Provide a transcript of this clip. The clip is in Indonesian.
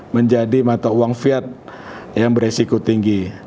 menjadi mata uang fiat yang beresiko tinggi